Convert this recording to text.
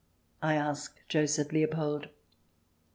I ask Joseph Leopold.